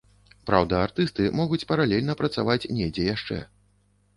Праўда, артысты могуць паралельна працаваць недзе яшчэ.